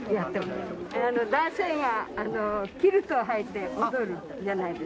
男性がキルトをはいて踊るじゃないですか。